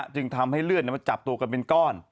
จึงทำให้เลือดมันจับตัวกันเป็นก้อน